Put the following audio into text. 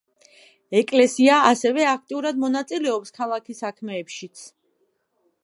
ეკლესია ასევე აქტიურად მონაწილეობს ქალაქის საქმეებშიც.